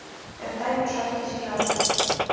Эрта йӱдшат-кечыжат.